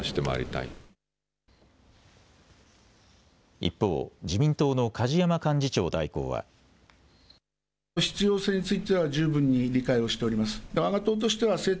一方、自民党の梶山幹事長代行は。ではかわって＃